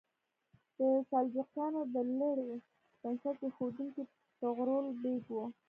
د سلجوقیانو د لړۍ بنسټ ایښودونکی طغرل بیګ و.